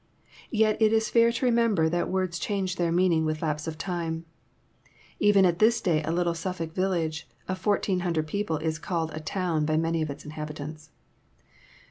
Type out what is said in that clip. Tet it is fair to remember that words change their meaning with lapse of time. Even at this day a little Suffolk village of 1,400 people, is called a " town" by many of Its inhabitants.